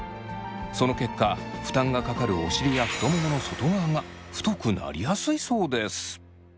その結果負担がかかるお尻や太ももの外側が太くなりやすいそうです。